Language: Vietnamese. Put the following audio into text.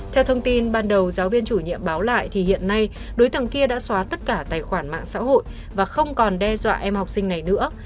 theo thông tin ban đầu giáo viên chủ nhiệm báo lại thì hiện nay đối tượng kia đã xóa tất cả tài khoản mạng xã hội và không còn đe dọa em học sinh này nữa